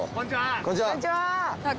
こんにちは！